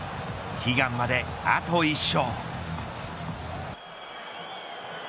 悲願まであと１勝。